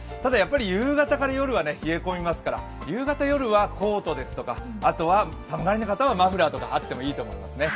夕方から夜は冷え込みますから夕方、夜はコートですとか、寒がりな方はマフラーとかあってもいいと思いますね。